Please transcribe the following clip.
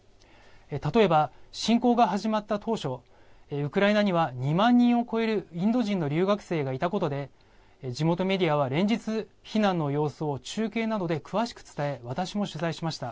例えば、侵攻が始まった当初、ウクライナには２万人を超えるインド人の留学生がいたことで、地元メディアは連日、避難の様子を中継などで詳しく伝え、私も取材しました。